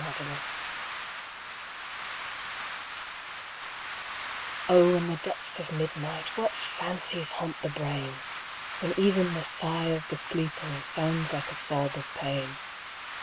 IN THE DARK O In the depths of midnight What fancies haunt the brain! When even the sigh of the sleeper Sounds like a sob of pain.